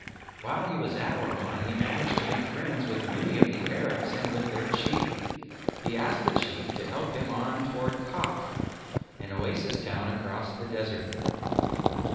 While he was at Orman he managed to make friends with many of the Arabs and with their Chief. He asked the Chief to help him on toward Kaf an oasis town across the desert.